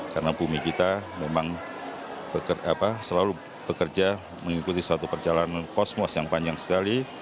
karena bumi kita memang selalu bekerja mengikuti satu perjalanan kosmos yang panjang sekali